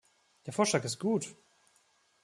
Der Vorschlag ist gut.